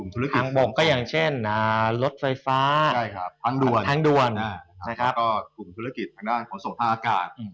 ธุรกิจทางบกก็อย่างเช่นรถไฟฟ้าทางด่วนทางด่วนกลุ่มธุรกิจทางด้านขนส่งทางอากาศ